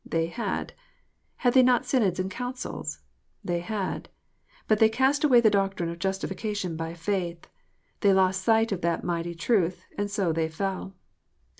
They had. Had they not synods and councils? They had. But they cast away the doctrine of justification by faith. They lost sight of that mighty truth, and so they fell.